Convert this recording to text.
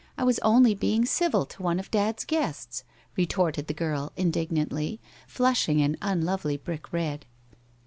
I was only being civil to ono of Dad's guests,' retorted the girl indignantly, flushing an unlovely brick red.